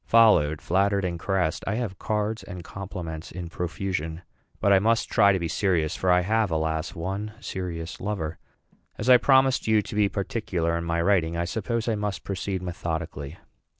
Followed, flattered, and caressed, I have cards and compliments in profusion. But I must try to be serious; for I have, alas! one serious lover. As I promised you to be particular in my writing, I suppose I must proceed methodically.